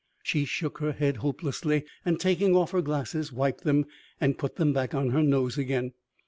She shook her head hopelessly, and taking off her glasses wiped them, and put them back on her nose again.